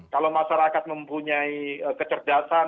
kalau masyarakat mempunyai kecerdasan